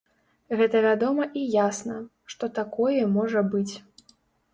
Гэта вядома і ясна, што такое можа быць.